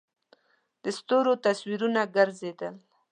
د ستورو تصویرونه گرځېدل.